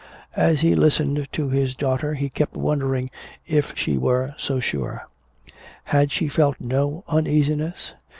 As he listened to his daughter he kept wondering if she were so sure. Had she felt no uneasiness?